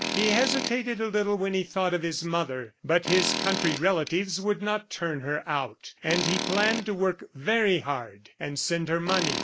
He hesitated a little when he thought of his mother. But his country relatives would not turn her out, and he planned to work very hard and send her money.